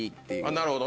なるほどね。